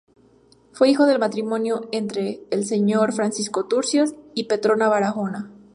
Fue hijo del matrimonio entre, el señor: Francisco Turcios y Petrona Barahona.